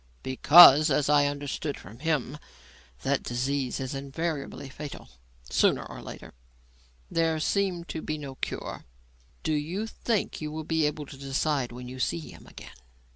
"Because as I understood from him that disease is invariably fatal, sooner or later. There seem to be no cure. Do you think you will be able to decide when you see him again?"